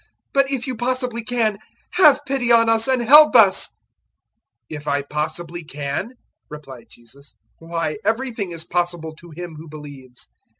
But, if you possibly can, have pity on us and help us." 009:023 "'If I possibly can!'" replied Jesus; "why, everything is possible to him who believes."